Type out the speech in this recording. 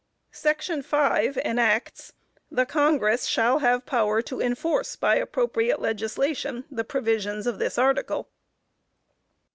_" Section five enacts, "_The Congress shall have power to enforce by appropriate legislation, the provisions of this Article.